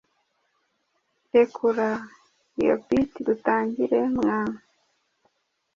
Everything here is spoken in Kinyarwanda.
Rekura iyo beat dutangire mwana